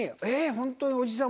本当におじさん